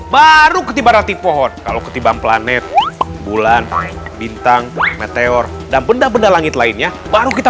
baru ketiba rati pohon kalau ketimbang planet bulan bintang meteor dan benda benda langit lainnya baru kita